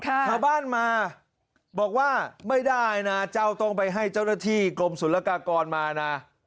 ชาวบ้านมาบอกว่าไม่ได้นะเจ้าต้องไปให้เจ้าหน้าที่กรมศุลกากรมานะ